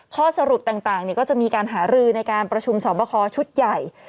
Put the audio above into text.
ข้อสรุปต่างก็จะมีการหารือในการประชุมสอบคอชุดใหญ่